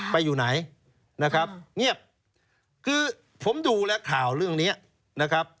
ไปอยู่ไหนนะครับเงียบคือผมดูแล้วข่าวเรื่องนี้นะครับ